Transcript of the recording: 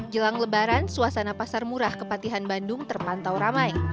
jelang lebaran suasana pasar murah kepatihan bandung terpantau ramai